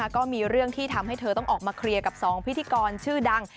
ก็มีเรื่องที่ทำให้เธอต้องออกมาเคลียร์กับ๒พิธีกรชื่อดัง